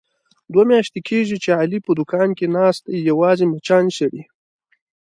دوه میاشتې کېږي، چې علي په دوکان کې ناست دی یوازې مچان شړي.